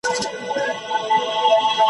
اوس خو راغلی یمه پیره ستنېدلای نه سم ,